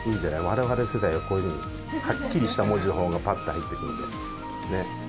我々世代はこういうふうにはっきりした文字の方がパッと入ってくるんでねっ。